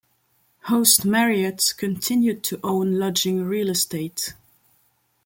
Host Marriott continued to own lodging real estate.